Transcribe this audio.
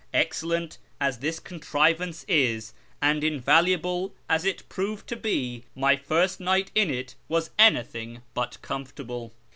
Excellent as this contrivance is, and invaluable as it proved to be, my first night in it was anything but comfortable.